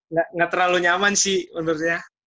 nggak gak terlalu nyaman sih menurut gue